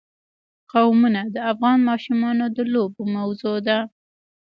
قومونه د افغان ماشومانو د لوبو موضوع ده.